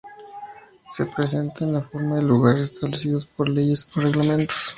Se presenta en la forma y lugares establecidos por leyes o reglamentos.